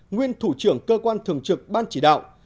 nguyên thủ trưởng cơ quan thường trực ban chỉ đạo